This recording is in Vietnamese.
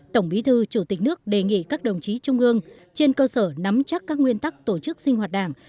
tổng bí thư chủ tịch nước đề nghị các đồng chí trung ương trên cơ sở nắm chắc các nguyên tắc tổ chức sinh hoạt đảng